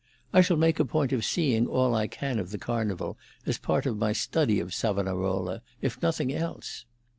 I shall make a point of seeing all I can of the Carnival, as part of my study of Savonarola, if nothing else."